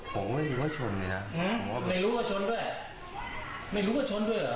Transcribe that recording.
ผมก็จรที่ตรงมือเลย